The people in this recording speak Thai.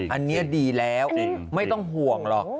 อันนี้ดีแล้วไม่ต้องห่วงหรอก